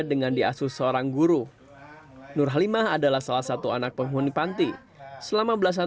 dengan diasuh seorang guru nurhalimah adalah salah satu anak penghuni panti selama belasan